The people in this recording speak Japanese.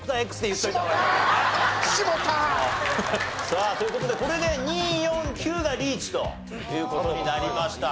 さあという事でこれで２４９がリーチという事になりました。